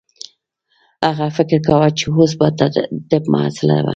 هغې فکر کاوه چې اوس به د طب محصله وه